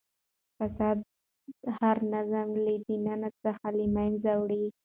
فساد هر نظام له دننه څخه له منځه وړي.